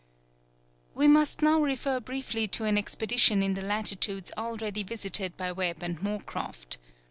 We must now refer briefly to an expedition in the latitudes already visited by Webb and Moorcroft.